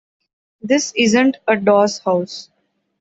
This isn't a doss house.